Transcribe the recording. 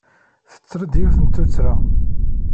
Tetter-d yiwet n tuttra.